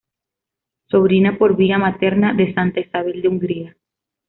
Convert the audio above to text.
Sobrina por vía materna de Santa Isabel de Hungría.